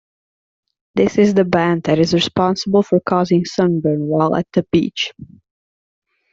This is the band that is responsible for causing sunburn while at the beach.